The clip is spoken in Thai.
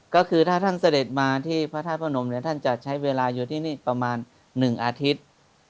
ก็คือถ้าท่านเสด็จมาที่พระธาตุพระนมเนี่ยท่านจะใช้เวลาอยู่ที่นี่ประมาณ๑อาทิตย์